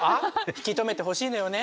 引き止めてほしいのよね。